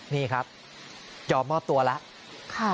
นี่ครับยอมมอบตัวแล้ว